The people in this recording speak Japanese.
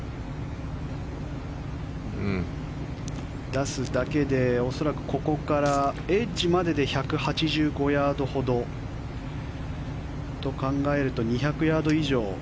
出すだけで恐らくここからエッジまでで１８５ヤードほどと考えると２００ヤード以上。